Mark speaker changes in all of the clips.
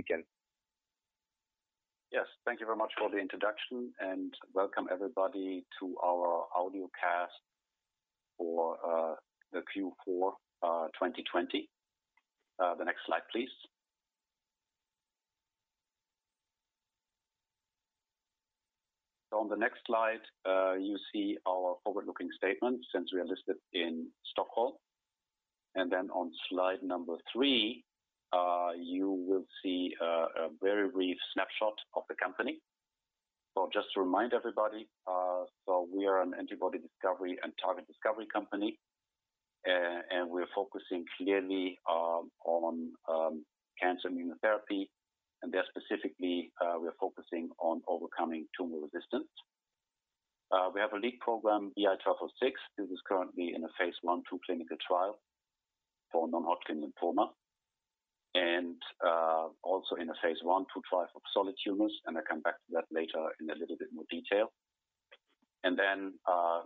Speaker 1: We can. Yes, thank you very much for the introduction, and welcome everybody to our audio cast for Q4 2020. The next slide, please. On the next slide, you see our forward-looking statement, since we are listed in Stockholm. On slide number three, you will see a very brief snapshot of the company. Just to remind everybody, we are an antibody discovery and target discovery company. We're focusing clearly on cancer immunotherapy, and there, specifically, we are focusing on overcoming tumor resistance. We have a lead program, BI-1206. This is currently in a phase I/II clinical trial for non-Hodgkin lymphoma, and also in a phase I/II trial for solid tumors, and I'll come back to that later in a little bit more detail.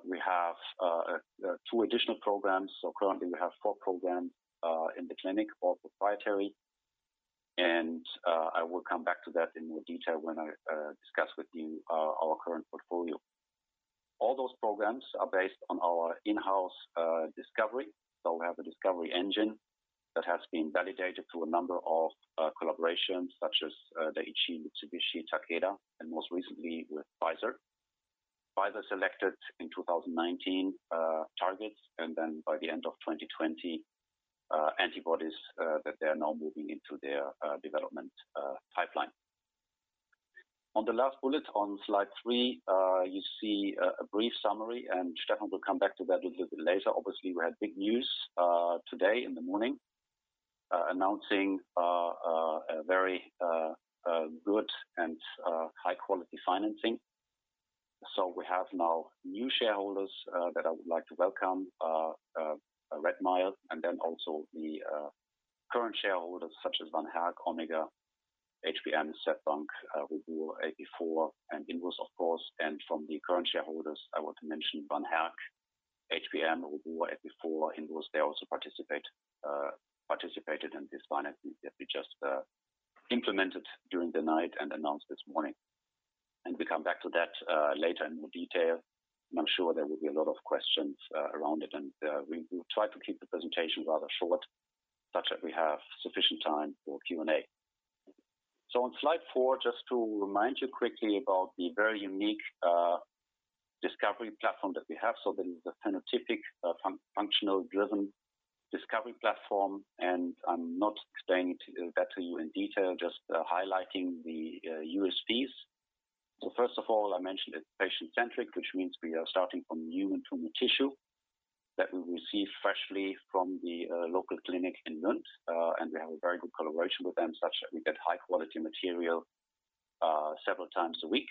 Speaker 1: We have two additional programs. Currently, we have four programs in the clinic, all proprietary, and I will come back to that in more detail when I discuss with you our current portfolio. All those programs are based on our in-house discovery. We have a discovery engine that has been validated through a number of collaborations, such as Daiichi, Mitsubishi, Takeda, and most recently with Pfizer. Pfizer selected its 2019 targets, and then by the end of 2020, antibodies that they are now moving into their development pipeline. On the last bullet on slide three, you see a brief summary, and Stefan will come back to that a little bit later. Obviously, we had big news today in the morning announcing a very good and high-quality financing. We have now new shareholders that I would like to welcome, Redmile, and then also the current shareholders such as Van Herk, Omega, HBM, SEB Bank, Robur, AP4, and Invus, of course. From the current shareholders, I want to mention Van Herk, HBM, Robur, AP4, and Invus. They also participated in this financing that we just implemented during the night and announced this morning. We come back to that later in more detail. I'm sure there will be a lot of questions around it, and we will try to keep the presentation rather short, such that we have sufficient time for Q&A. On slide four, just to remind you quickly about the very unique discovery platform that we have. This is a phenotypic functional-driven discovery platform, and I'm not explaining it to you in detail, just highlighting the USPs. First of all, I mentioned it's patient-centric, which means we are starting from human tumor tissue that we receive freshly from the local clinic in Lund, and we have a very good collaboration with them such that we get high-quality material several times a week.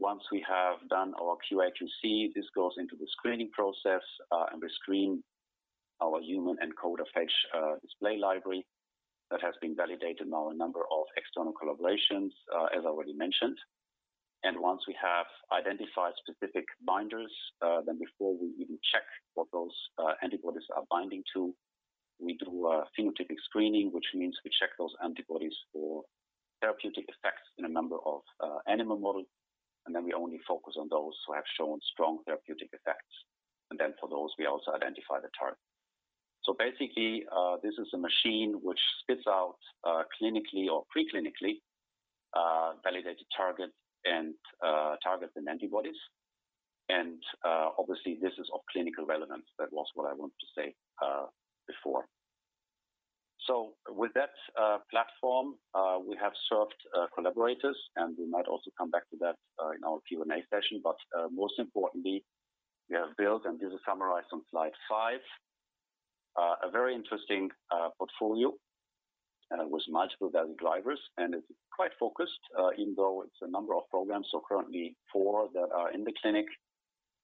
Speaker 1: Once we have done our QA/QC, this goes into the screening process, and we screen our human n-CoDeR phage-display library that has been validated now a number of external collaborations, as already mentioned. Once we have identified specific binders, before we even check what those antibodies are binding to, we do a phenotypic screening, which means we check those antibodies for therapeutic effects in a number of animal models, and then we only focus on those that have shown strong therapeutic effects. Then, for those, we also identify the target. Basically, this is a machine that spits out clinically or pre-clinically validated targets and antibodies. Obviously, this is of clinical relevance. That was what I wanted to say before. With that platform, we have served collaborators, and we might also come back to that in our Q&A session. Most importantly, we have built, and this is summarized on slide five, a very interesting portfolio with multiple value drivers. It's quite focused, even though it's a number of programs, so currently four that are in the clinic.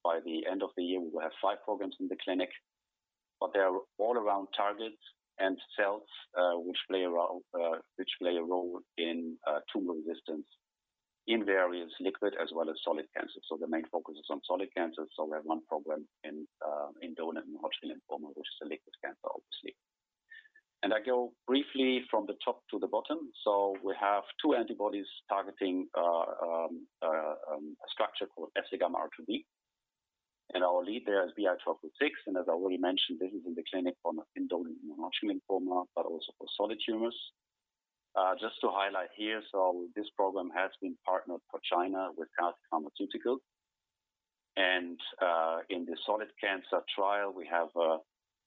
Speaker 1: By the end of the year, we will have five programs in the clinic, but they're all around targets and cells that play a role in tumor resistance in various liquid as well as solid cancers. The main focus is on solid cancer. We have one program in indolent non-Hodgkin lymphoma, which is a liquid cancer, obviously. I go briefly from the top to the bottom. We have two antibodies targeting a structure called FcγRIIB. Our lead there is BI-1206, and as I already mentioned, this is in the clinic for indolent non-Hodgkin lymphoma, but also for solid tumors. Just to highlight here, this program has been partnered with CASI Pharmaceuticals. In the solid cancer trial, we have a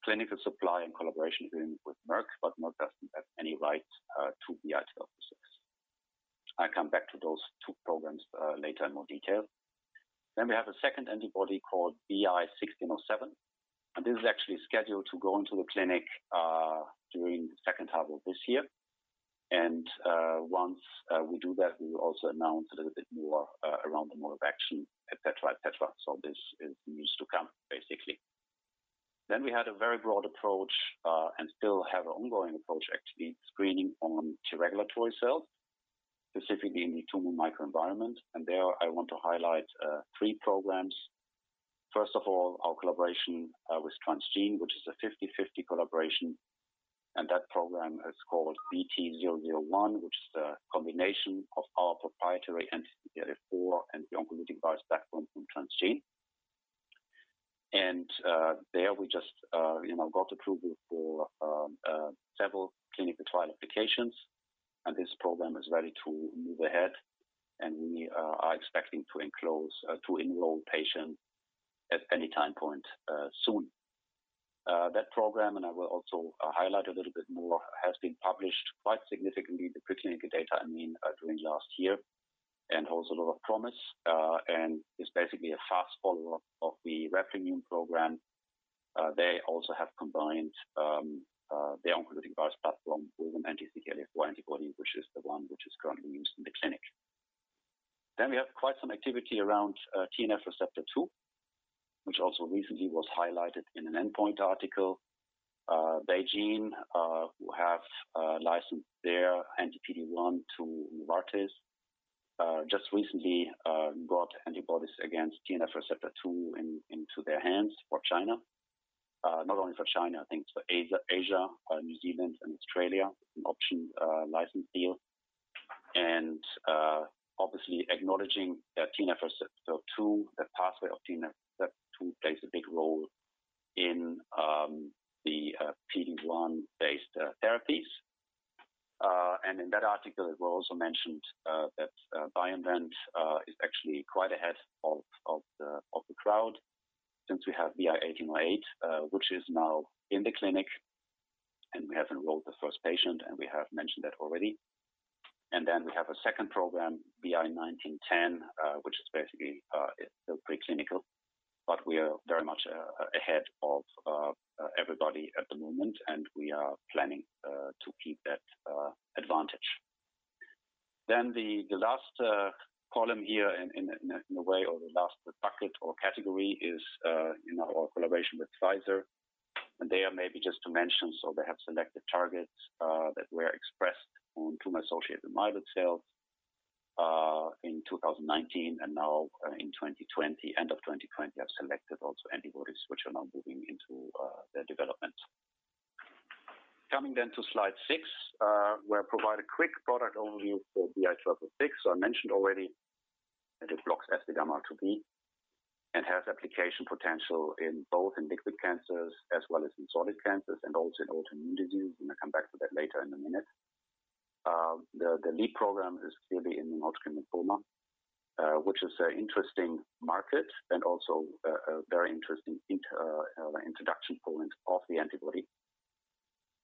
Speaker 1: clinical supply and collaboration agreement with Merck, but Merck doesn't have any rights to BI-1206. I come back to those two programs later in more detail. We have a second antibody called BI-1607, and this is actually scheduled to go into the clinic during the second half of this year. Once we do that, we will also announce a little bit more around the mode of action, et cetera. This is news to come, basically. We had a very broad approach, and still have an ongoing approach, actually, screening on T regulatory cells. Specifically in the tumor microenvironment, I want to highlight three programs. First of all, our collaboration with Transgene, which is a 50/50 collaboration, is called BT-001, which is a combination of our proprietary anti-CTLA-4 antibody device backbone from Transgene. There, we just got approval for several clinical trial applications, and this program is ready to move ahead, and we are expecting to enroll patients at any time soon. That program, and I will also highlight a little bit more, has been published quite significantly- the preclinical data, I mean- during the last year, and holds a lot of promise, and is basically a fast follower of the Replimune program. They have also combined the oncolytic virus platform with an anti-CTLA-4 antibody, which is the one that is currently used in the clinic. We have quite some activity around TNF Receptor 2, which was also recently highlighted in an endpoint article. BeiGene, who have licensed its anti-PD-1 to Novartis, just recently got antibodies against TNF Receptor 2 into its hands for China. Not only for China, I think for Asia, New Zealand, and Australia, an option license deal. Obviously acknowledging that the pathway of TNF Receptor 2 plays a big role in the PD-1-based therapies. In that article, it was also mentioned that BioInvent is actually quite ahead of the crowd since we have BI-1808, which is now in the clinic, and we have enrolled the first patient, and we have mentioned that already. Then we have a second program, BI-1910, which is basically still pre-clinical. We are very much ahead of everybody at the moment, and we are planning to keep that advantage. The last column here, in a way, or the last bucket or category, is our collaboration with Pfizer. There, maybe just to mention, they have selected targets that were expressed on tumor-associated myeloid cells in 2019 and now, in 2020, end of 2020, have also selected antibodies which are now moving into their development. Coming to slide six, where I provide a quick product overview for BI-1206. I mentioned already that it blocks FcγRIIB and has application potential in both liquid cancers as well as in solid cancers, and also in autoimmune diseases. I'm going to come back to that later in a minute. The lead program is clearly in non-Hodgkin lymphoma, which is an interesting market and also a very interesting introduction point for the antibody.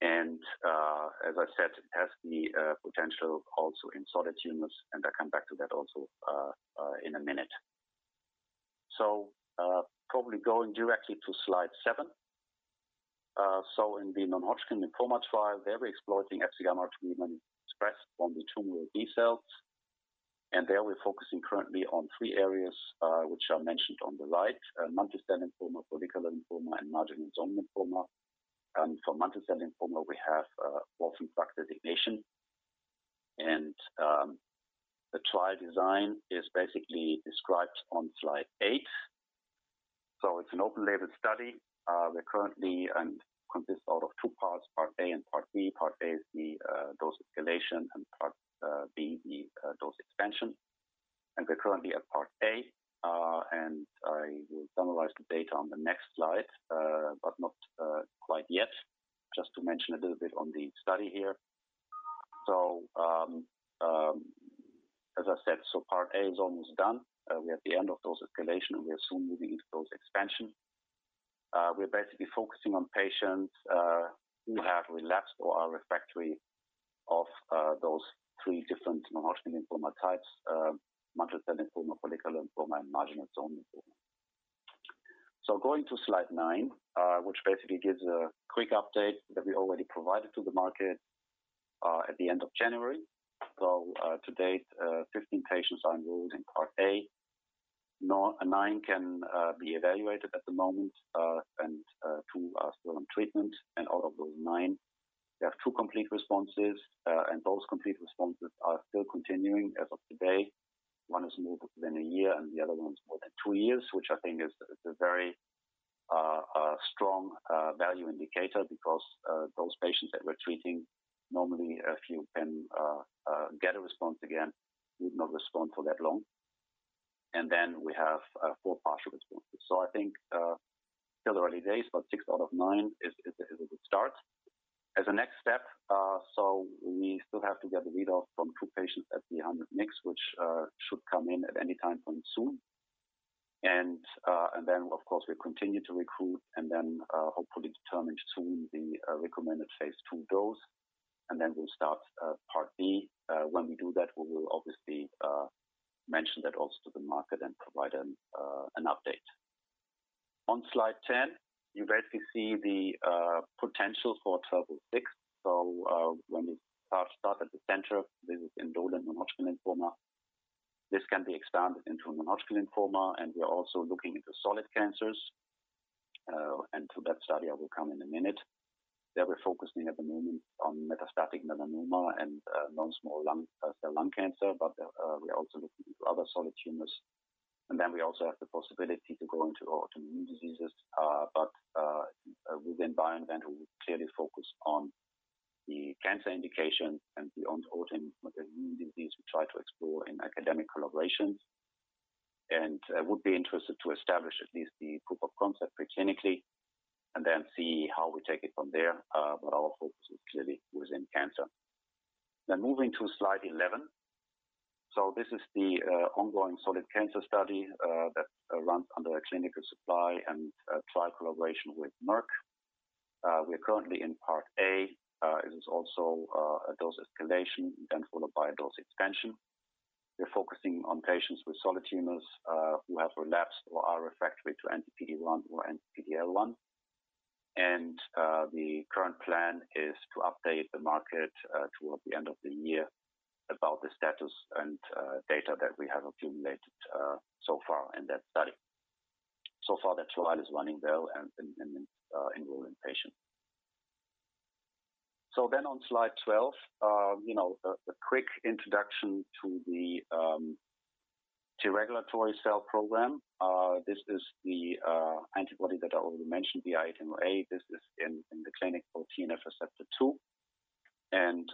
Speaker 1: As I said, it has the potential also in solid tumors, and I will come back to that also in a minute. Probably going directly to slide seven. In the non-Hodgkin lymphoma trial, they're exploiting FcγRIIB when expressed on the tumor B cells. There we're focusing currently on three areas, which are mentioned on the right: mantle cell lymphoma, follicular lymphoma, and marginal zone lymphoma. For mantle cell lymphoma, we have orphan drug designation. The trial design is basically described on slide eight. It's an open-label study. We're currently composed of two parts, Part A and Part B. Part A is the dose escalation, and Part B is the dose expansion. We're currently at Part A, and I will summarize the data on the next slide, but not quite yet. Just to mention a little bit about the study here. As I said, Part A is almost done. We're at the end of dose escalation, and we are soon moving into dose expansion. We're basically focusing on patients who have relapsed or are refractory to those three different non-Hodgkin lymphoma types, mantle cell lymphoma, follicular lymphoma, and marginal zone lymphoma. Going to slide nine, which basically gives a quick update that we already provided to the market at the end of January. To date, 15 patients are enrolled in Part A. Nine can be evaluated at the moment, and two are still on treatment. Out of those nine, we have two complete responses, and those complete responses are still continuing as of today. One is more than a year, and the other one's more than two years, which I think is a very strong value indicator because those patients that we're treating, normally, if you can get a response again, would not respond for that long. Then we have four partial responses. I think still early days, but six out of nine is a good start. As a next step, we still have to get the readout from two patients at the end of next week, which should come in at any time point soon. Of course, we continue to recruit and then hopefully determine the recommended phase II dose soon, and then we'll start Part B. When we do that, we will obviously mention that to the market and provide an update. On slide 10, you basically see the potential for 1206. When we start at the center, this is indolent non-Hodgkin lymphoma. This can be expanded into non-Hodgkin lymphoma, and we're also looking into solid cancers. To that study, I will come in a minute. There we're focusing at the moment on metastatic melanoma and non-small cell lung cancer, but we are also looking into other solid tumors, and then we also have the possibility to go into autoimmune diseases. Within BioInvent, we will clearly focus on the cancer indication and the autoimmune disease we try to explore in academic collaborations, and would be interested in establishing at least the proof of concept pre-clinically and then see how we take it from there. Our focus is clearly on cancer. Moving to slide 11. This is the ongoing solid cancer study that runs under a clinical supply and trial collaboration with Merck. We're currently in part A. It is also a dose escalation, then followed by a dose expansion. We're focusing on patients with solid tumors who have relapsed or are refractory to anti-PD-1 or anti-PD-L1. The current plan is to update the market towards the end of the year on the status and data that we have accumulated so far in that study. So far, the trial is running well and enrolling patients. On slide 12, a quick introduction to the T regulatory cells program. This is the antibody that I already mentioned, BI-1808. This is in the clinic for TNFR2.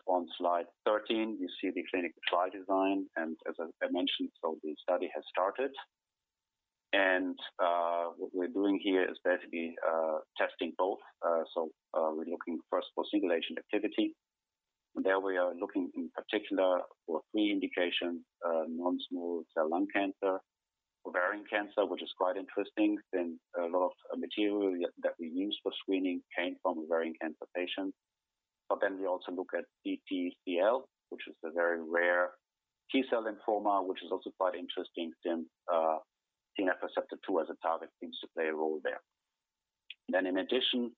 Speaker 1: On slide 13, you see the clinical trial design. As I mentioned, the study has started, and what we're doing here is basically testing both. We're looking first for stimulation activity. There we are looking in particular for three indications: non-small cell lung cancer and ovarian cancer, which is quite interesting since a lot of the material that we use for screening came from ovarian cancer patients. We also look at PTCL, which is a very rare T-cell lymphoma, which is also quite interesting since TNFR2 as a target seems to play a role there. In addition,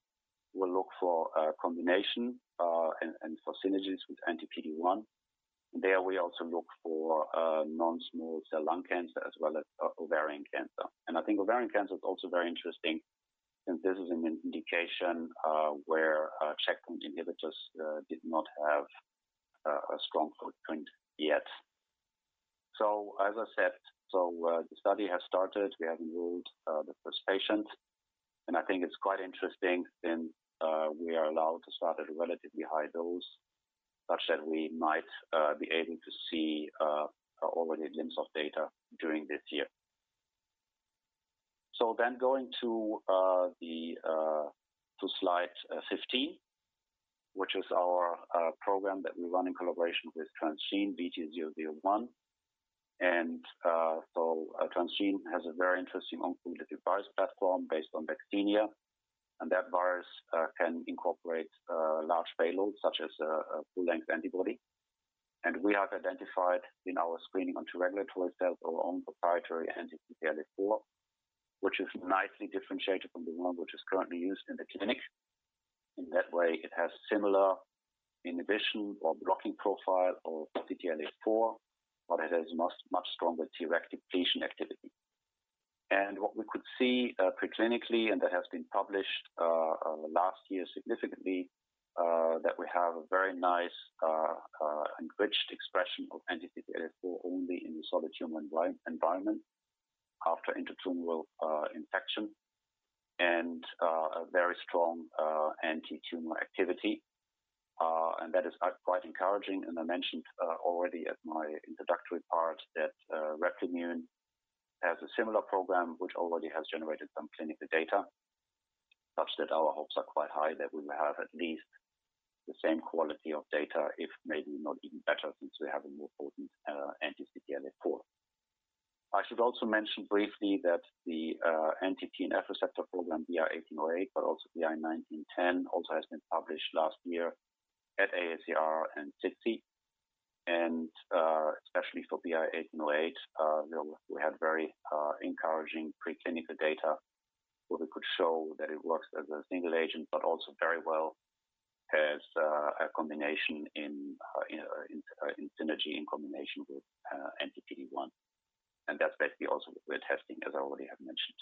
Speaker 1: we'll look for a combination and for synergies with anti-PD-1. There, we also look for non-small cell lung cancer as well as ovarian cancer. I think ovarian cancer is also very interesting since this is an indication where checkpoint inhibitors did not have a strong footprint yet. As I said, the study has started. We have enrolled the first patient, and I think it's quite interesting since we are allowed to start at a relatively high dose, such that we might be able to see a glimpse of data during this year. Going to slide 15, which is the program that we run in collaboration with Transgene, BT-001. Transgene has a very interesting oncolytic virus platform based on vaccinia, and that virus can incorporate large payloads such as a full-length antibody. We have identified in our screening on T regulatory cells our own proprietary anti-PD-L1, which is nicely differentiated from the one that is currently used in the clinic. In that way, it has a similar inhibition or blocking profile of PD-L1, but it has much stronger T-reactivation activity. What we could see preclinically, and that has been published last year significantly, is that we have a very nice enriched expression of anti-PD-L1 only in the solid tumor environment after intratumoral infection, and a very strong anti-tumor activity. That is quite encouraging. I mentioned already in my introductory part that Replimune has a similar program, which has already generated some clinical data, such that our hopes are quite high that we will have at least the same quality of data, if maybe not even better, since we have a more potent anti-PD-L1. I should also mention briefly that the anti-TNFR2 program, BI-1808, but also BI-1910, was published last year at AACR and SITC. Especially for BI-1808, we had very encouraging pre-clinical data where we could show that it works as a single agent, but also very well as a combination in synergy in combination with anti-PD-1. That's basically also what we're testing, as I have already mentioned.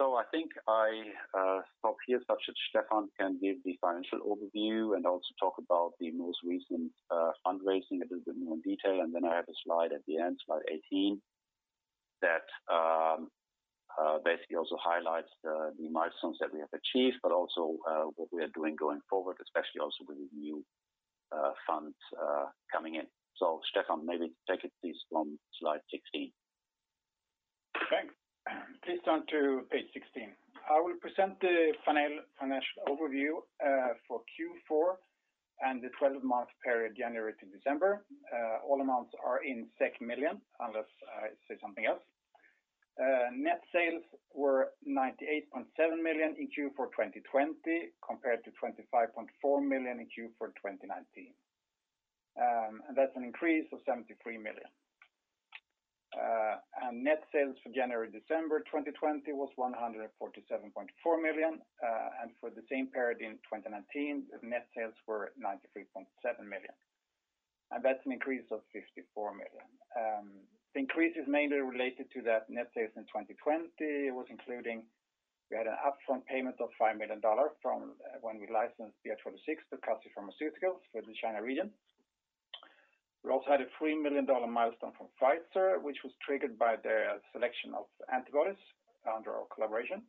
Speaker 1: I think I should stop here so that Stefan can give the financial overview and also talk about the most recent fundraising a little bit more in detail. I have a slide at the end, slide 18, that basically also highlights the milestones that we have achieved, but also what we are doing going forward, especially with the new funds coming in. Stefan, maybe take it, please, from slide 16.
Speaker 2: Thanks. Please turn to page 16. I will present the financial overview for Q4 and the 12-month period, January to December. All amounts are in million unless I say something else. Net sales were 98.7 million in Q4 2020 compared to 25.4 million in Q4 2019. That's an increase of 73 million. Net sales for January and December 2020 were 147.4 million. For the same period in 2019, net sales were 93.7 million. That's an increase of 54 million. The increase is mainly related to the net sales in 2020; we had an upfront payment of $5 million from when we licensed BI-1206 to CASI Pharmaceuticals for the China region. We also had a $3 million milestone from Pfizer, which was triggered by their selection of antibodies under our collaboration.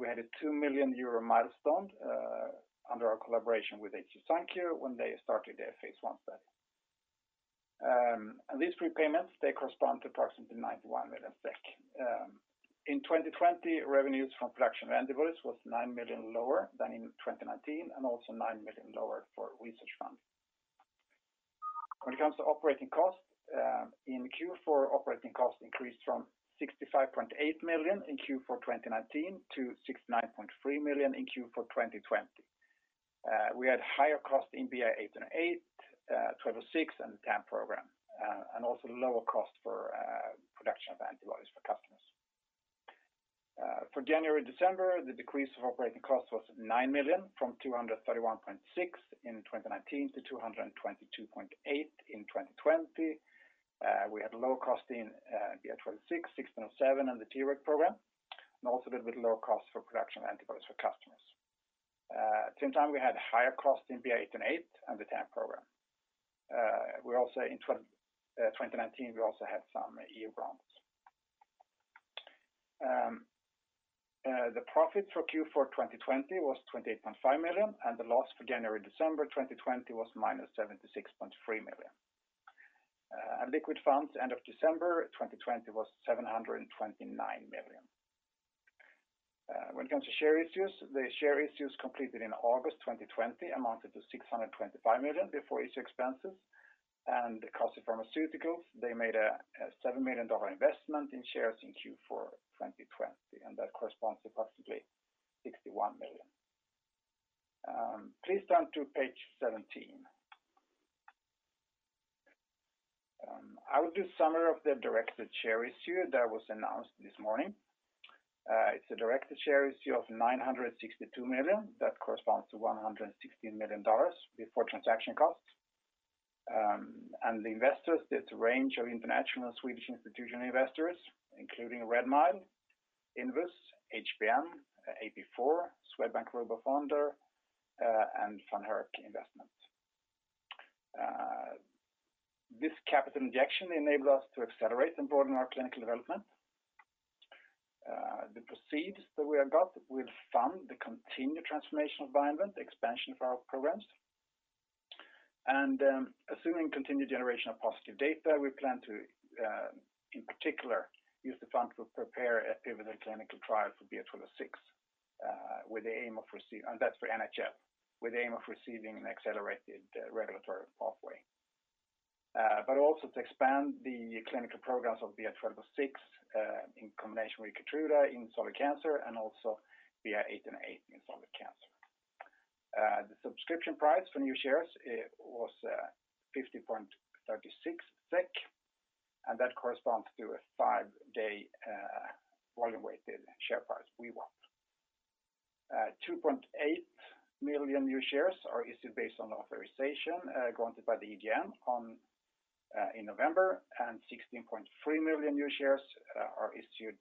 Speaker 2: We had a 2 million euro milestone under our collaboration with HC SunCare when they started their phase I study. These prepayments, they correspond to approximately 91 million SEK. In 2020, revenues from the production of antibodies were 9 million lower than in 2019, and also 9 million lower for research funds. When it comes to operating costs, in Q4, operating costs increased from 65.8 million in Q4 2019 to 69.3 million in Q4 2020. We had higher costs in BI-1808, BI-1206, and the TAM program, and also lower costs for the production of antibodies for customers. For January and December, the decrease in operating costs was 9 million from 231.6 million in 2019 to 222.8 million in 2020. We had lower costs in BI-1206, BI-1607, and the Treg program, and also a slightly lower cost for the production of antibodies for customers. At the same time, we had higher costs in BI-1808 and the TAM program. In 2019, we also had some early data. The profit for Q4 2020 was 28.5 million, and the loss for January and December 2020 was -76.3 million. Liquid funds at the end of December 2020 were 729 million. When it comes to share issues, the share issues completed in August 2020 amounted to 625 million before issue expenses. CASI Pharmaceuticals, they made a $7 million investment in shares in Q4 2020, and that corresponds to approximately 61 million. Please turn to page 17. I will do a summary of the directed share issue that was announced this morning. It's a directed share issue of 962 million. That corresponds to $116 million before transaction costs. The investors are a range of international Swedish institutional investors, including Redmile, Invus, HBM, AP4, Swedbank Robur Fonder, and Van Herk Investments. This capital injection enabled us to accelerate and broaden our clinical development. The proceeds that we have received will fund the continued transformation of BioInvent and the expansion of our programs. Assuming continued generation of positive data, we plan to, in particular, use the funds to prepare a pivotal clinical trial for BI-1206, and that's for NHL, with the aim of receiving an accelerated regulatory pathway. Also, to expand the clinical programs of BI-1206 in combination with KEYTRUDA in solid cancer, and also BI-1808 in solid cancer. The subscription price for new shares was 50.36 SEK, and that corresponds to the five-day volume-weighted share price we want. 2.8 million new shares are issued based on authorization granted by the EGM in November, and 16.3 million new shares are issued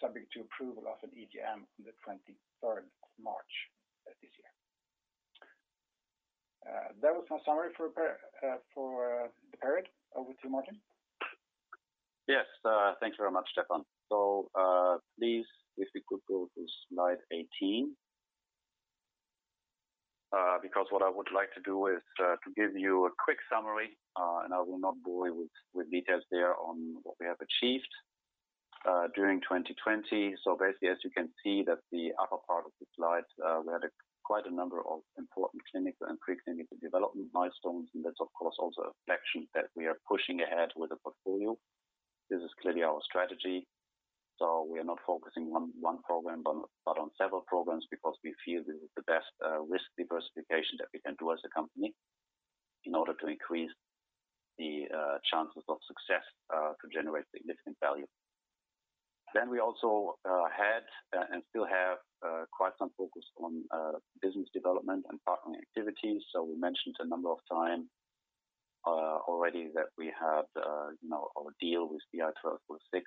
Speaker 2: subject to approval of an EGM on March 23rd this year. That was my summary for the period. Over to Martin.
Speaker 1: Yes. Thanks very much, Stefan. Please, if we could go to slide 18. What I would like to do is to give you a quick summary, and I will not bore you with details about what we have achieved during 2020. Basically, as you can see from the upper part of the slide, we had quite a number of important clinical and preclinical development milestones, and that's, of course, also a reflection that we are pushing ahead with the portfolio. This is clearly our strategy. We are not focusing on one program but on several programs because we feel this is the best risk diversification that we can do as a company in order to increase the chances of success and generate significant value. We also had, and still have, quite some focus on business development and partnering activities. We mentioned a number of times already that we had our deal with BI-1206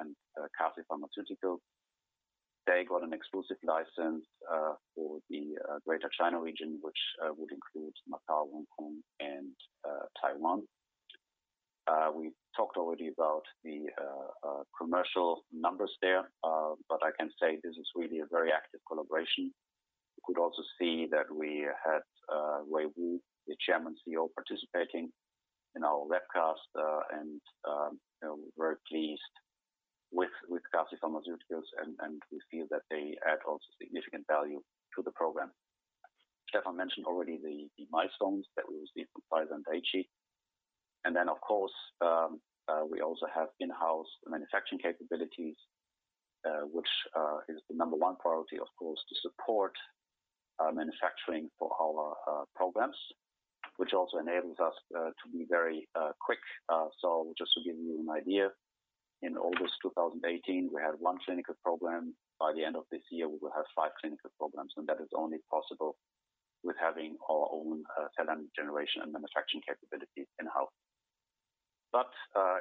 Speaker 1: and CASI Pharmaceuticals. They got an exclusive license for the Greater China region, which would include Macau, Hong Kong, and Taiwan. We talked already about the commercial numbers there, but I can say this is really a very active collaboration. You could also see that we had Wei-Wu, the Chairman and Chief Executive Officer, participating in our webcast, and we're very pleased with CASI Pharmaceuticals, and we feel that they also add significant value to the program. Stefan mentioned the milestones that we received from Pfizer and Daiichi. Of course, we also have in-house manufacturing capabilities, which is the number one priority, of course, to support manufacturing for all our programs, which also enables us to be very quick. Just to give you an idea. In August 2018, we had one clinical program. By the end of this year, we will have five clinical programs. That is only possible with having our own cell and gene generation and manufacturing capabilities in-house.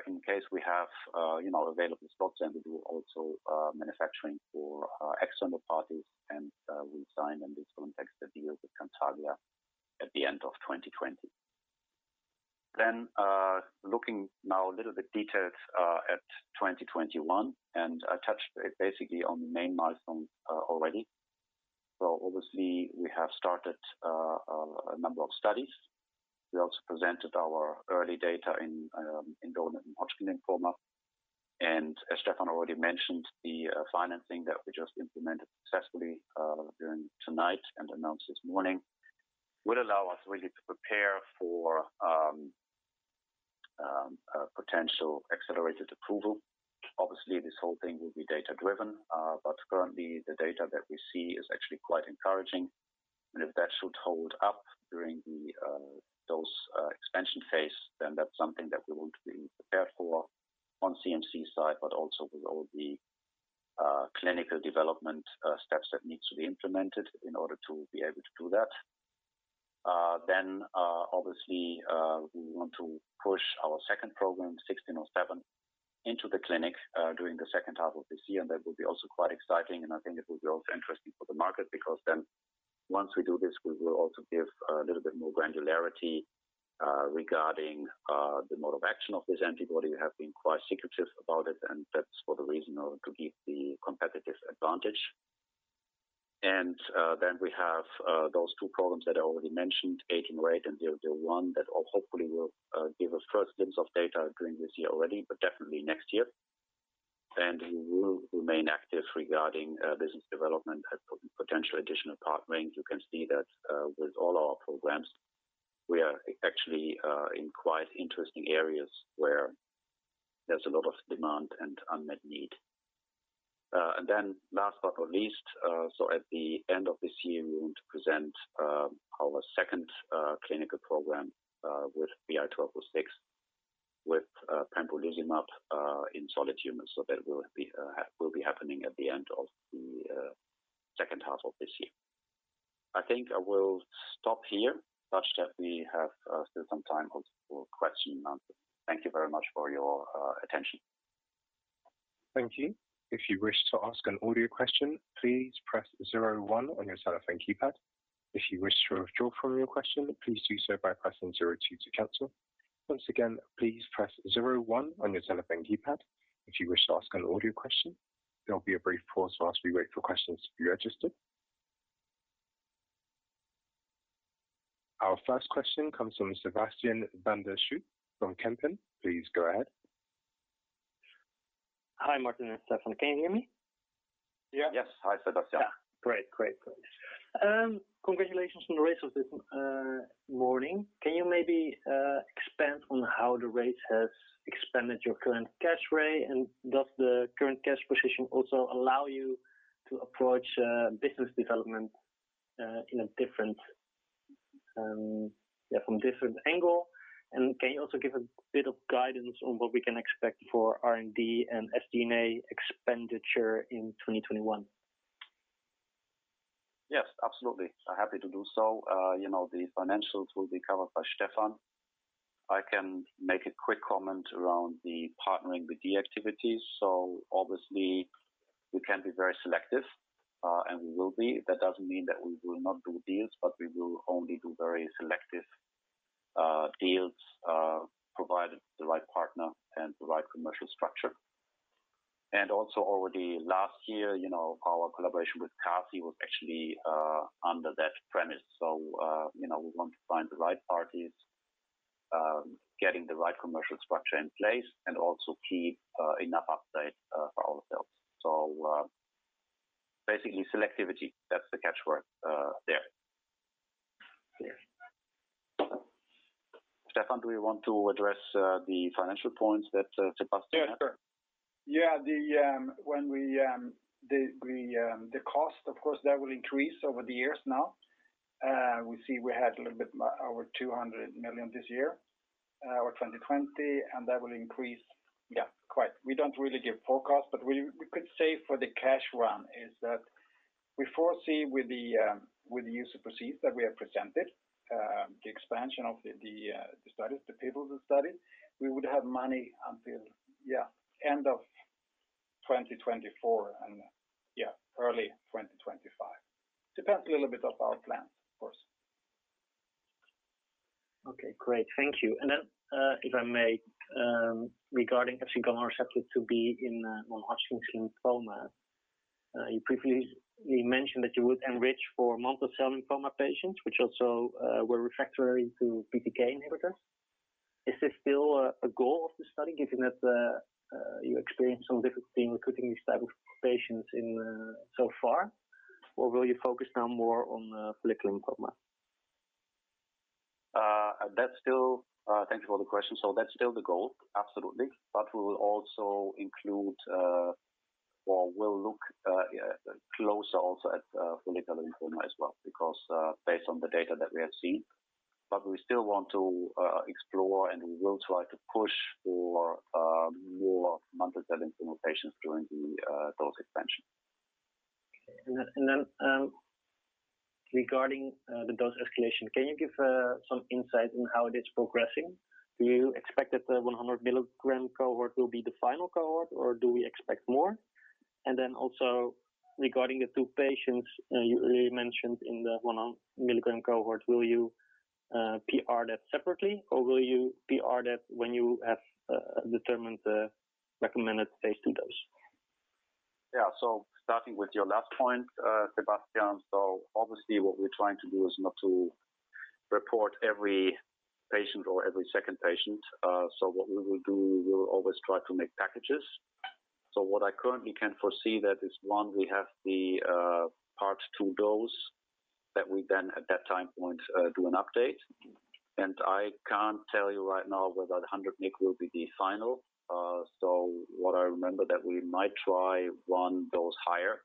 Speaker 1: In case we have available spots we also do manufacturing for external parties. We signed a deal with Cantargia in this context at the end of 2020. Looking now a little bit in detail at 2021. I touched basically on the main milestones already. Obviously, we have started a number of studies. We also presented our early data on indolent non-Hodgkin lymphoma. As Stefan already mentioned, the financing that we just implemented successfully during tonight and announced this morning will allow us to really prepare for potential accelerated approval. Obviously, this whole thing will be data-driven. Currently, the data that we see is actually quite encouraging. If that should hold up during the expansion phase, then that's something that we want to be prepared for on the CMC side, but also with all the clinical development steps that need to be implemented in order to be able to do that. Obviously, we want to push our second program, BI-1607, into the clinic during the second half of this year. That will also be quite exciting, and I think it will also be interesting for the market because then, once we do this, we will also give a little bit more granularity regarding the mode of action of this antibody. We have been quite secretive about it, and that's for the reason of to give a competitive advantage. Then we have those two programs that I already mentioned, BI-1808 and BT-001, that hopefully will give us the first glimpse of data during this year already, but definitely next year. We will remain active regarding business development and potential additional partnering. You can see that with all our programs, we are actually in quite interesting areas where there's a lot of demand and unmet need. Last but not least, at the end of this year, we want to present our second clinical program with BI-1206 with pembrolizumab in solid tumors. That will be happening at the end of the second half of this year. I think I will stop here so that we still have some time for questions and answers. Thank you very much for your attention.
Speaker 3: Thank you. If you wish to ask an audio question, please press zero one on your telephone keypad. If you wish to withdraw from your question, please do so by pressing zero two to cancel. Once again, please press zero one on your telephone keypad if you wish to ask an audio question. There'll be a brief pause while we wait for questions to be registered. Our first question comes from Sebastiaan van der Schoot from Kempen. Please go ahead.
Speaker 4: Hi, Martin and Stefan. Can you hear me?
Speaker 1: Yeah.
Speaker 2: Yes. Hi, Sebastiaan.
Speaker 4: Yeah. Great. Congratulations on the raise this morning. Can you maybe expand on how the raise has expanded your current cash runway? Does the current cash position also allow you to approach business development from a different angle? Can you also give a bit of guidance on what we can expect for R&D and SG&A expenditure in 2021?
Speaker 1: Yes, absolutely. Happy to do so. The financials will be covered by Stefan. I can make a quick comment on partnering with the activities. Obviously, we can be very selective, and we will be. That doesn't mean that we will not do deals, but we will only do very selective deals, provided the right partner and the right commercial structure. And also, last year, our collaboration with CASI was actually under that premise. We want to find the right parties, get the right commercial structure in place, and also keep enough upside for ourselves. Basically, selectivity, that's the catchword there. Stefan, do we want to address the financial points that Sebastiaan asked?
Speaker 2: Yeah, sure.
Speaker 1: The cost, of course, that will increase over the years now. We see we had a little bit over 200 million this year or 2020, and that will increase.
Speaker 2: Yeah. Quite. We don't really give forecasts, but we could say for the cash run is that we foresee, with the use of proceeds that we have presented, the expansion of the studies, the people, the studies, we would have money until, yeah, the end of 2024 and, yeah, early 2025. Depends a little bit on our plan, of course.
Speaker 4: Okay, great. Thank you. If I may, regarding FcγRIIB in non-Hodgkin lymphoma. You previously mentioned that you would enrich for mantle cell lymphoma patients, which also were refractory to BTK inhibitors. Is this still a goal of the study, given that you experienced some difficulty in recruiting this type of patient in so far? Will you focus now more on follicular lymphoma?
Speaker 1: Thank you for the question. That's still the goal, absolutely. We'll also look more closely at follicular lymphoma as well, because based on the data that we have seen, we still want to explore, and we will try to push for more mantle cell lymphoma patients during the dose expansion.
Speaker 4: Okay. Regarding the dose escalation, can you give some insight into how it is progressing? Do you expect that the 100 mg cohort will be the final cohort, or do we expect more? Also, regarding the two patients you mentioned in the 100 mg cohort, will you PR that separately, or will you PR that when you have determined the recommended phase II dose?
Speaker 1: Yeah. Starting with your last point, Sebastiaan, obviously, what we're trying to do is not to report every patient or every second patient. What we will do is always try to make packages. What I can foresee that is one, we have the part two dose, and then, at that time point, do an update. I can't tell you right now whether 100 mg will be the final. What I remember is that we might try one dose higher,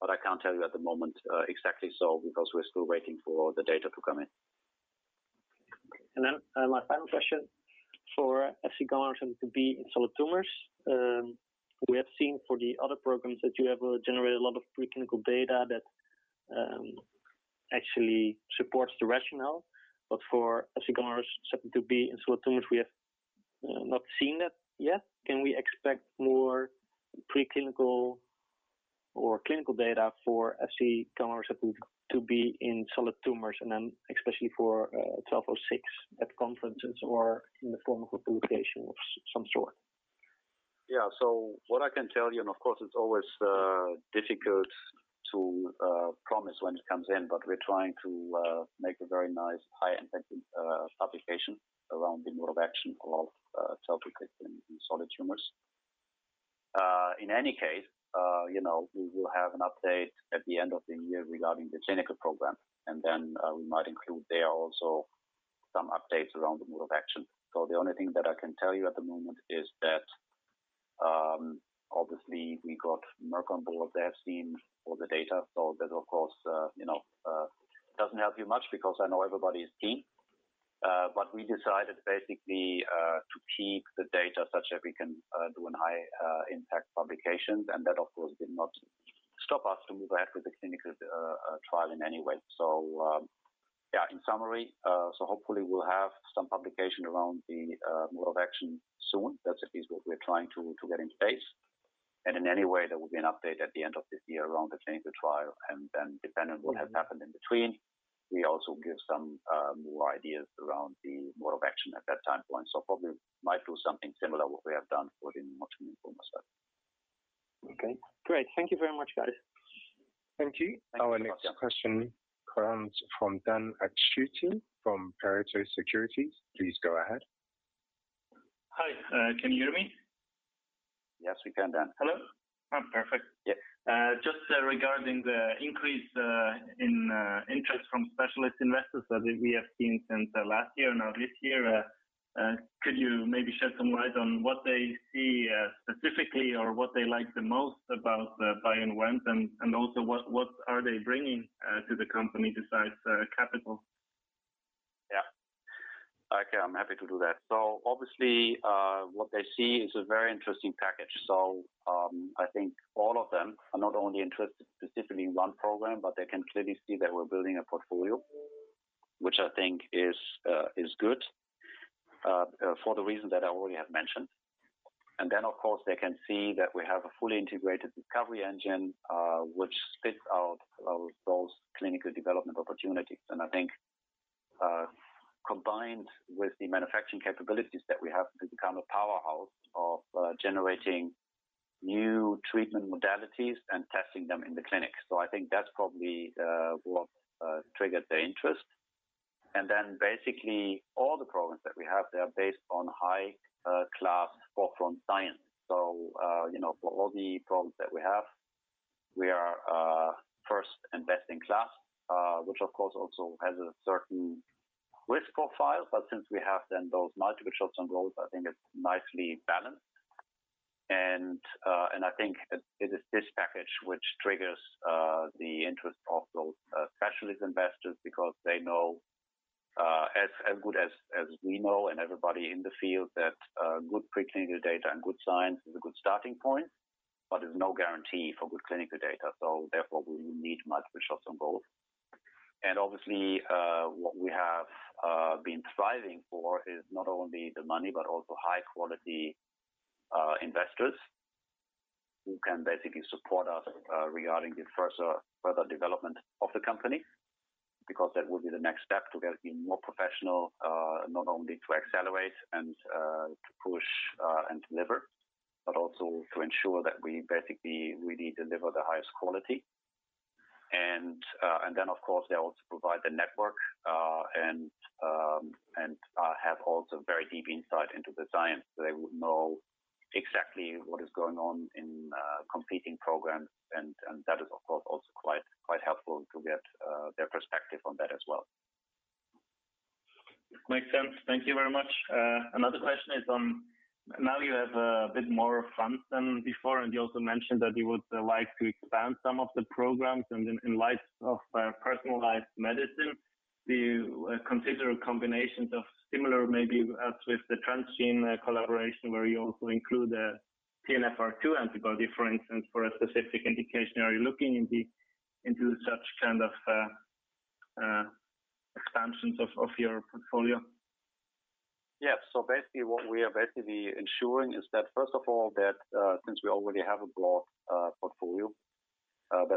Speaker 1: but I can't tell you at the moment exactly because we're still waiting for the data to come in.
Speaker 4: My final question for FcγRIIB in solid tumors. We have seen from the other programs that you have generated a lot of preclinical data that actually supports the rationale. For FcγRIIB in solid tumors, we have not seen that yet. Can we expect more preclinical or clinical data for FcγRIIB to be in solid tumors, especially for BI-1206, at conferences or in the form of a publication of some sort?
Speaker 1: Yeah. What I can tell you, and of course, it's always difficult to promise when it comes in, but we're trying to make a very nice high-impact publication around the mode of action of taletrectinib in solid tumors. In any case, we will have an update at the end of the year regarding the clinical program, and then we might also include some updates around the mode of action. The only thing that I can tell you at the moment is that, obviously, we got Merck on board. They have seen all the data. That, of course, doesn't help you much because I know everybody is keen. We decided basically to keep the data such that we can do a high-impact publication. That, of course, did not stop us from moving ahead with the clinical trial in any way. Yeah, in summary, hopefully we'll have some publication around the mode of action soon. That, at least, is what we're trying to get in place. In any case, there will be an update at the end of this year regarding the clinical trial. Depending on what has happened in between, we also give some more ideas around the mode of action at that time point. Probably might do something similar to what we have done for the mantle cell lymphoma study.
Speaker 4: Okay, great. Thank you very much, guys.
Speaker 3: Thank you.
Speaker 1: Thank you, Sebastiaan.
Speaker 3: Our next question comes from Dan Akschuti from Pareto Securities. Please go ahead.
Speaker 5: Hi, can you hear me?
Speaker 1: Yes, we can, Dan.
Speaker 5: Hello. Perfect.
Speaker 1: Yeah.
Speaker 5: Just regarding the increase in interest from specialist investors that we have seen since last year, now this year, could you maybe shed some light on what they see specifically or what they like the most about BioInvent, and also what they are bringing to the company besides capital?
Speaker 1: Yeah. Okay, I'm happy to do that. Obviously, what they see is a very interesting package. I think all of them are not only interested specifically in one program, but they can clearly see that we're building a portfolio, which I think is good for the reasons that I have already mentioned. Then, of course, they can see that we have a fully integrated discovery engine, which spits out those clinical development opportunities. I think, combined with the manufacturing capabilities that we have, to become a powerhouse of generating new treatment modalities and testing them in the clinic. I think that's probably what triggered the interest. Then basically, all the programs that we have, they are based on high-class, forefront science. For all the programs that we have, we are first and best in class, which, of course, also has a certain risk profile. Since we have those multiple shots on goal, I think it's nicely balanced. I think it is this package that triggers the interest of those specialist investors because they know, as well as we know and everybody in the field, that good preclinical data and good science is a good starting point, but there's no guarantee for good clinical data. Therefore, we need multiple shots on goal. Obviously, what we have been striving for is not only the money, but also high-quality investors who can basically support us regarding the further development of the company, because that will be the next step to getting more professional, not only to accelerate and to push and deliver, but also to ensure that we basically really deliver the highest quality. Then, of course, they also provide the network and have very deep insight into the science, so they would know exactly what is going on in competing programs. That is, of course, also quite helpful to get their perspective on that as well.
Speaker 5: Makes sense. Thank you very much. Another question is, now you have a bit more funds than before, and you also mentioned that you would like to expand some of the programs. In light of personalized medicine, do you consider combinations of similar, maybe as with the Transgene collaboration, where you also include a TNFR2 antibody, for instance, for a specific indication? Are you looking into such kind of expansions of your portfolio?
Speaker 1: Yeah. Basically, what we are ensuring is that, first of all, since we already have a broad portfolio,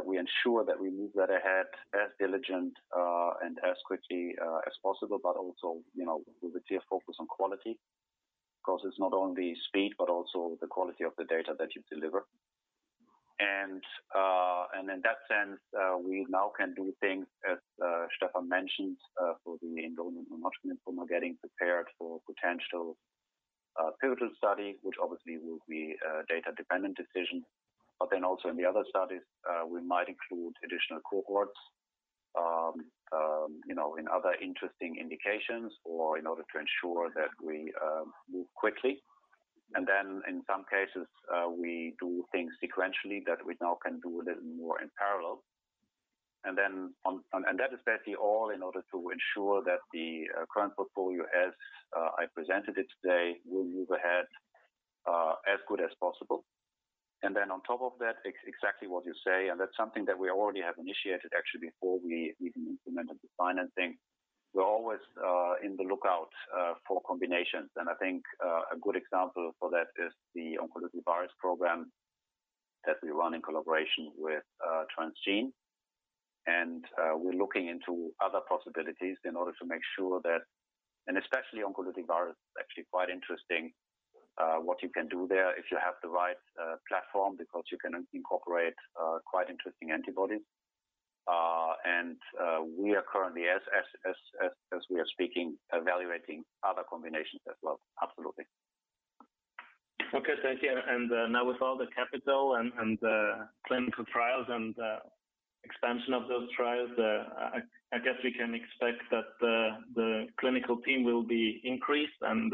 Speaker 1: we ensure that we move that ahead as diligently and as quickly as possible, also with a clear focus on quality. Because it's not only speed, but also the quality of the data that you deliver. In that sense, we now can do things, as Stefan mentioned, for the indolent or multiple myeloma, getting prepared for a potential pivotal study, which obviously will be a data-dependent decision. Also, in the other studies, we might include additional cohorts in other interesting indications or in order to ensure that we move quickly. In some cases, we do things sequentially that we now can do a little more in parallel. That is basically all in order to ensure that the current portfolio, as I presented it today, will move ahead as well as possible. Then, on top of that, exactly what you say, and that's something that we already had initiated before we even implemented the financing. We're always on the lookout for combinations, and I think a good example of that is the oncolytic virus program that we run in collaboration with Transgene. We're looking into other possibilities in order to make sure that, and especially oncolytic virus is actually quite interesting, what you can do there if you have the right platform, because you can incorporate quite interesting antibodies. We are currently, as we are speaking, evaluating other combinations as well. Absolutely.
Speaker 5: Okay, thank you. Now, with all the capital and the clinical trials and the expansion of those trials, I guess we can expect that the clinical team will be increased and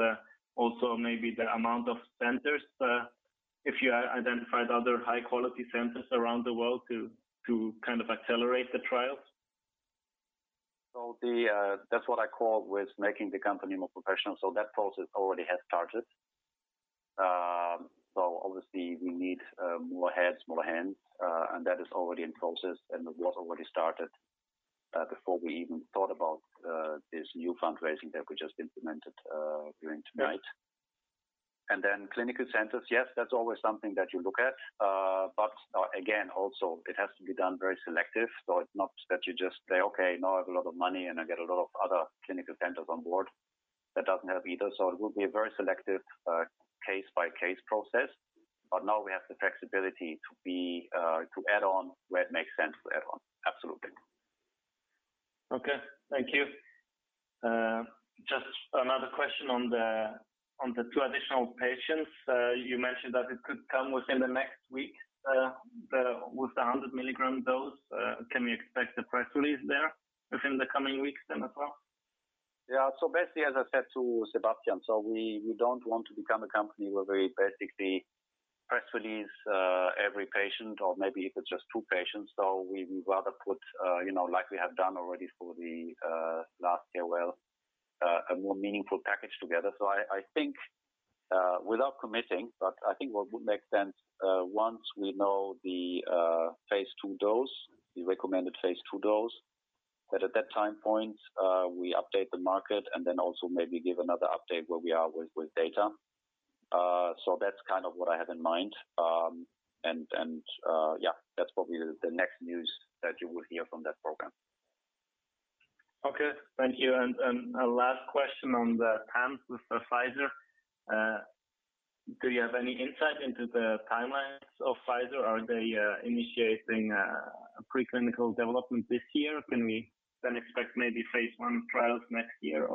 Speaker 5: also maybe the number of centers, if you identify other high-quality centers around the world to kind of accelerate the trials.
Speaker 1: That's what I call making the company more professional. That process has already started. Obviously, we need more heads, more hands, and that is already in process and was already started before we even thought about this new fundraising that we just implemented tonight. Then clinical centers, yes, that's always something that you look at. Again, also, it has to be done very selectively. It's not that you just say, "Okay, now I have a lot of money, and I get a lot of other clinical centers on board." That doesn't help either. It will be a very selective, case-by-case process. Now we have the flexibility to add on where it makes sense to add on. Absolutely.
Speaker 5: Okay. Thank you. Just another question on the two additional patients. You mentioned that it could come within the next week with the 100 mg dose. Can we expect a press release there within the coming weeks, then as well?
Speaker 1: Basically, as I said to Sebastiaan, we don't want to become a company where we basically press release every patient, or maybe if it's just two patients. We'd rather put, like we have done already for the last year, well, a more meaningful package together. I think, without committing, I think what would make sense, once we know the recommended phase II dose, that at that time point, we update the market and then also maybe give another update on where we are with the data. That's kind of what I have in mind. That's probably the next news that you will hear from that program.
Speaker 5: Okay. Thank you. A last question on the TAMs with Pfizer. Do you have any insight into the timelines of Pfizer? Are they initiating preclinical development this year? Can we then expect maybe phase I trials next year?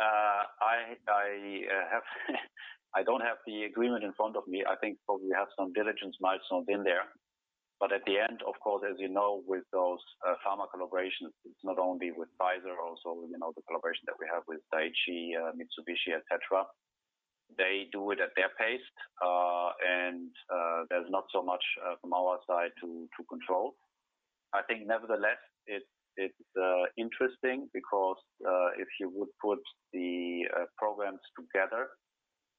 Speaker 1: I don't have the agreement in front of me. I think we probably have some diligence milestones in there. At the end, of course, as you know, with those pharma collaborations, it's not only with Pfizer, but also the collaboration that we have with Daiichi, Mitsubishi, et cetera. There's not so much from our side to control. I think, nevertheless, it's interesting because if you put the programs together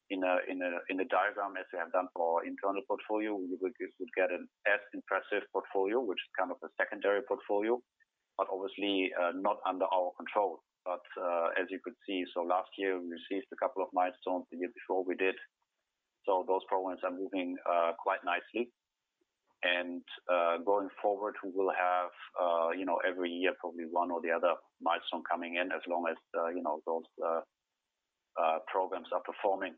Speaker 1: in a diagram as we have done for our internal portfolio, you would get an impressive portfolio, which is kind of a secondary portfolio, but obviously not under our control. As you could see, last year, we received a couple of milestones. The year before we did. Those programs are moving quite nicely. Going forward, we will probably have one or the other milestone coming in as long as those programs are performing.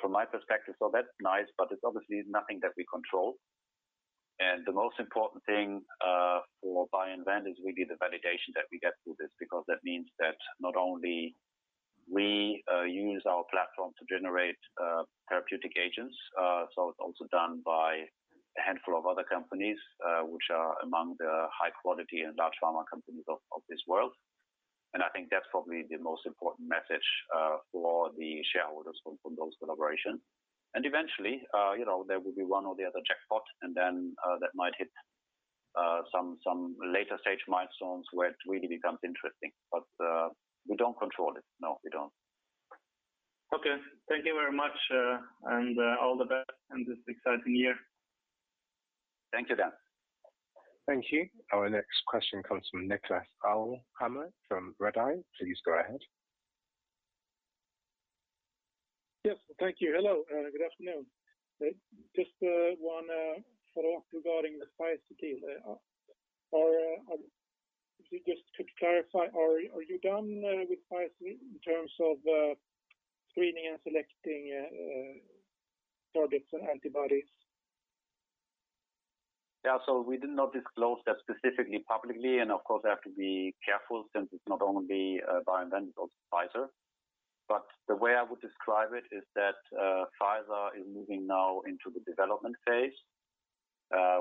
Speaker 1: From my perspective, that's nice, but it's obviously nothing that we control. The most important thing for BioInvent is really the validation that we get through this because that means that we use our platform to generate therapeutic agents. It's also done by a handful of other companies, which are among the high-quality and large pharma companies of this world. I think that's probably the most important message for the shareholders from those collaborations. Eventually, there will be one or the other jackpot, and then that might hit some later-stage milestones where it really becomes interesting. We don't control it. No, we don't.
Speaker 5: Okay. Thank you very much, and all the best in this exciting year.
Speaker 1: Thank you, Dan.
Speaker 3: Thank you. Our next question comes from Niklas Elmhammer from Redeye. Please go ahead.
Speaker 6: Yes. Thank you. Hello. Good afternoon. Just one follow-up regarding the Pfizer deal. If you could just clarify, are you done with Pfizer in terms of screening and selecting targets and antibodies?
Speaker 1: We did not disclose that specifically publicly, and of course, I have to be careful since it's not only BioInvent, it's also Pfizer. The way I would describe it is that Pfizer is moving now into the development phase,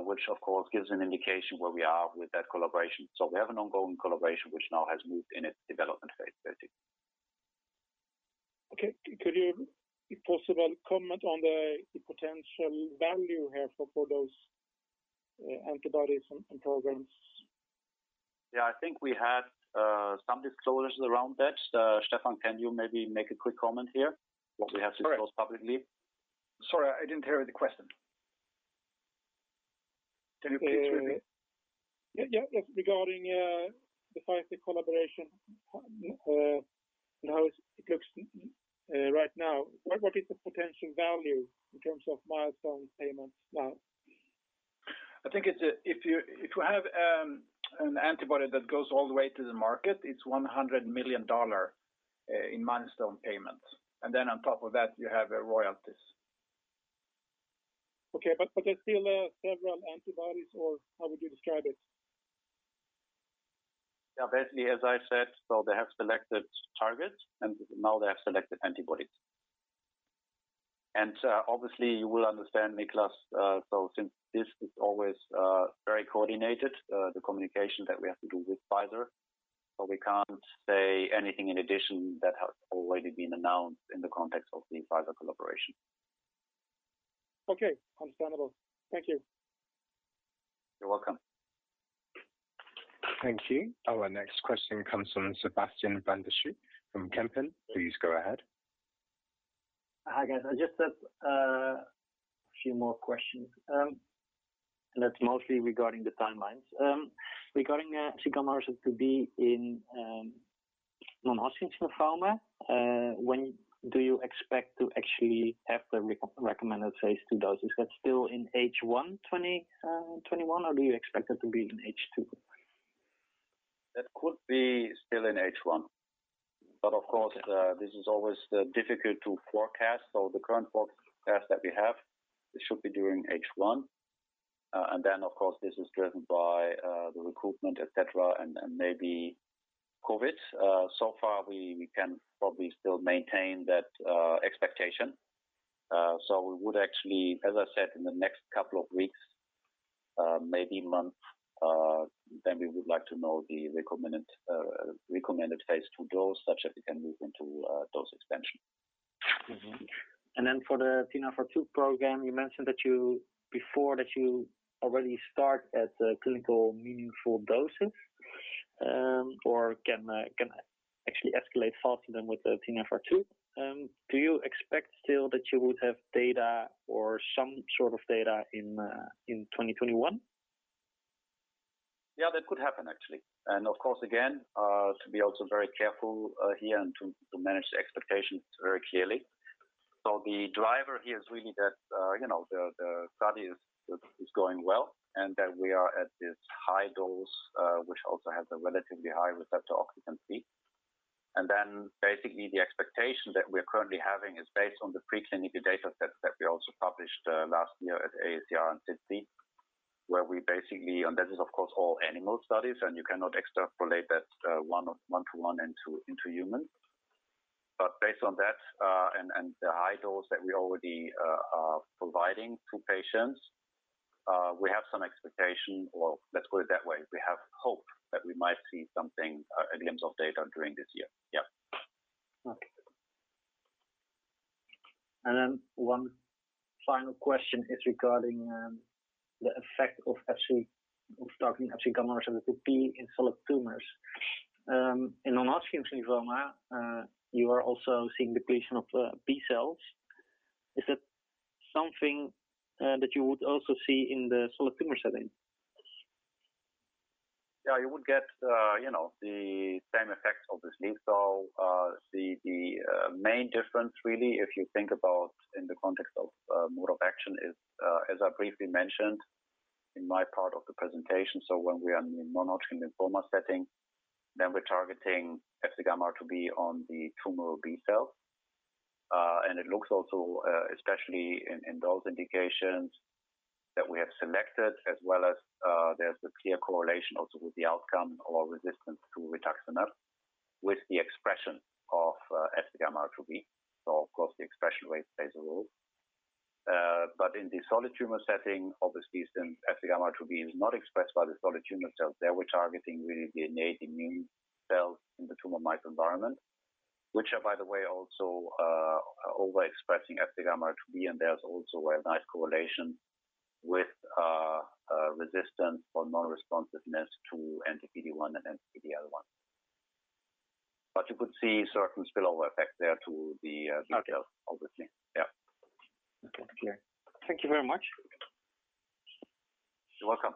Speaker 1: which, of course, gives an indication of where we are with that collaboration. We have an ongoing collaboration, which has now moved into its development phase, basically.
Speaker 6: Okay. Could you, if possible, comment on the potential value here for those antibodies and programs?
Speaker 1: I think we had some disclosures around that. Stefan, can you maybe make a quick comment here on what we have disclosed publicly?
Speaker 2: Sorry, I didn't hear the question. Can you please repeat?
Speaker 6: Yeah. Regarding the Pfizer collaboration, how does it look right now? What is the potential value in terms of milestone payments now?
Speaker 2: I think if you have an antibody that goes all the way to the market, it's SEK 100 million in milestone payments. On top of that, you have royalties.
Speaker 6: Okay. There's still several antibodies, or how would you describe it?
Speaker 1: Yeah. Basically, as I said, they have selected targets, and now they have selected antibodies. Obviously, you will understand, Niklas, so since this is always very coordinated, the communication that we have to do with Pfizer, we can't say anything in addition that has already been announced in the context of the Pfizer collaboration.
Speaker 6: Okay. Understandable. Thank you.
Speaker 1: You're welcome.
Speaker 3: Thank you. Our next question comes from Sebastiaan van der Schoot from Kempen. Please go ahead.
Speaker 4: Hi, guys. I just have a few more questions. That's mostly regarding the timelines. Regarding epcoritamab in non-Hodgkin lymphoma, when do you expect to actually have the recommended phase II dose? Is that still in H1 2021, or do you expect that to be in H2?
Speaker 1: That could still be in H1. Of course, this is always difficult to forecast. The current forecast is that it should be during H1. Of course, this is driven by the recruitment, et cetera, and maybe COVID. So far, we can probably still maintain that expectation. We would actually, as I said, in the next couple of weeks, maybe months, then we would like to know the recommended phase II dose such that we can move into dose expansion.
Speaker 4: For the TNFR2 Program, you mentioned before that you have already started at clinically meaningful doses or can actually escalate faster than with the TNFR2. Do you expect still that you would have data or some sort of data in 2021?
Speaker 1: Yeah, that could happen, actually. Of course, again, to be also very careful here and to manage the expectations very clearly. The driver here is really that the study is going well, and that we are at this high dose, which also has a relatively high receptor occupancy. Then, basically, the expectation that we're currently having is based on the preclinical data sets that we also published last year at AACR and SITC. That is, of course, all animal studies, and you cannot extrapolate that one-to-one into humans. Based on that, and the high dose that we already are providing to patients, we have some expectation, or let's put it that way, we have hope that we might see something, a glimpse of data during this year. Yeah.
Speaker 4: Okay. Then, one final question is regarding the effect of targeting FcγRIIB in solid tumors. In non-Hodgkin lymphoma, you are also seeing depletion of B cells. Is it something that you would also see in the solid tumor setting?
Speaker 1: Yeah, you would get the same effects, obviously. The main difference, really, if you think about it in the context of mode of action, is, as I briefly mentioned in my part of the presentation. When we are in the non-Hodgkin lymphoma setting, we're targeting FcγRIIB on the tumor B cell. It also looks, especially in those indications that we have selected, as well as there's a clear correlation also with the outcome or resistance to rituximab with the expression of FcγRIIB. Of course, the expression plays a role. In the solid tumor setting, obviously, since FcγRIIB is not expressed by the solid tumor cells, we're targeting really the innate immune cells in the tumor microenvironment, which are, by the way, also overexpressing FcγRIIB, and there's also a nice correlation with resistance or non-responsiveness to anti-PD-1 and anti-PD-L1. You could see a certain spillover effect there to the T cells, obviously. Yeah.
Speaker 4: Okay. Thank you very much.
Speaker 1: You're welcome.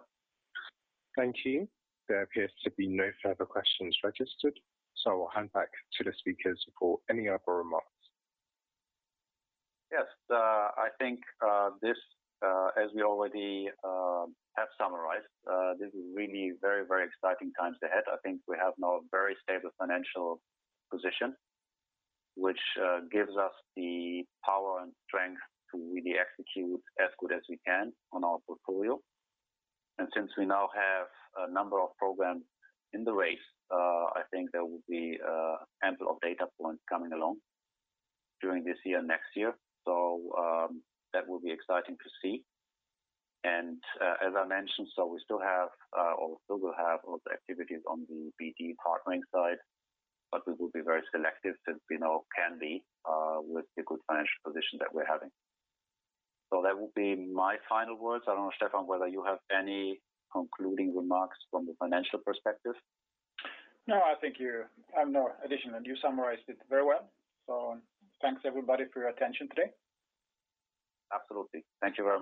Speaker 3: Thank you. There appear to be no further questions registered, so I'll hand back to the speakers for any further remarks.
Speaker 1: Yes. I think this, as we already have summarized, this is really very exciting times ahead. I think we now have a very stable financial position, which gives us the power and strength to really execute as well as we can on our portfolio. Since we now have a number of programs in the race, I think there will be a handful of data points coming along during this year and next year. That will be exciting to see. As I mentioned, we will still have all the activities on the BD partnering side, but we will be very selective since we now can be with the good financial position that we're having. That will be my final words. I don't know, Stefan, whether you have any concluding remarks from the financial perspective.
Speaker 2: No, I think I have no addition. You summarized it very well. Thanks, everybody, for your attention today.
Speaker 1: Absolutely. Thank you very much.